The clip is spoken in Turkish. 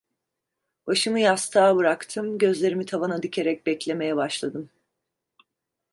Başımı yastığa bıraktım, gözlerimi tavana dikerek beklemeye başladım.